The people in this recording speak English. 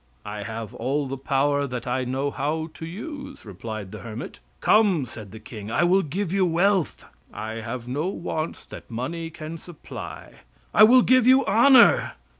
"I have all the power that I know how to use," replied the hermit. "Come," said the king, "I will give you wealth." "I have no wants that money can supply." "I will give you honor."